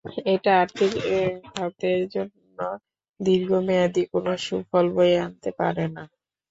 এটা আর্থিক খাতের জন্য দীর্ঘ মেয়াদে কোনো সুফল বয়ে আনতে পারে না।